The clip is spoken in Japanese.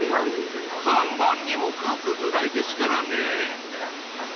［看板にも書くぐらいですからね］